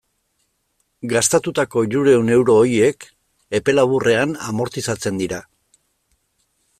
Gastatutako hirurehun euro horiek epe laburrean amortizatzen dira.